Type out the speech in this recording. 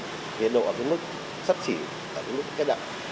thì đổ ở mức sấp chỉ ở mức kết hại